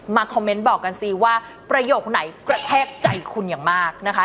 คอมเมนต์บอกกันสิว่าประโยคไหนกระแทกใจคุณอย่างมากนะคะ